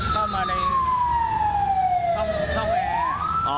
เข้ามาในช่องแอร์